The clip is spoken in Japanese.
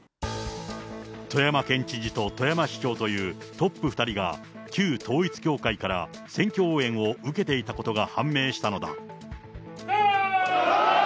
富山県知事と富山市長というトップ２人が、旧統一教会から選挙応援を受けていたことが判明したのだ。